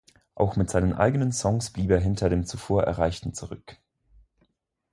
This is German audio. Auch mit seinen eigenen Songs blieb er hinter dem zuvor Erreichten zurück.